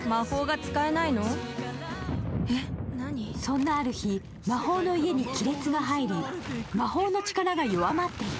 そんなある日、魔法の家に亀裂が入り、魔法の力が弱まっていく。